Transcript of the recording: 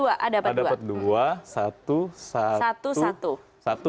kita dapat dua satu satu